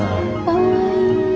かわいい。